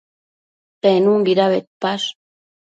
Penunbida bedpash?